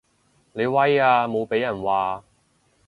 你威啊無被人話